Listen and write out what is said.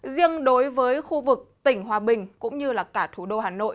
riêng đối với khu vực tỉnh hòa bình cũng như cả thủ đô hà nội